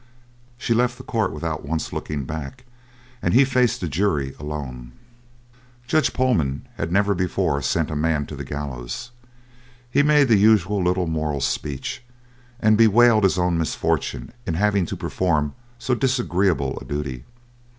She left the court without once looking back, and he faced the jury alone. Judge Pohlman had never before sent a man to the gallows. He made the usual little moral speech, and bewailed his own misfortune in having to perform so disagreeable a duty.